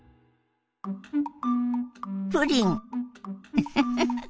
ウフフフ。